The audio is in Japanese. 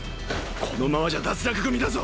このままじゃ脱落組だぞ！